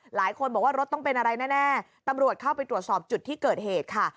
หลายคนบอกว่ารถต้องเป็นอะไรแน่ตำรวจเข้าไปตรวจสอบจุดที่เกิดเหตุค่ะ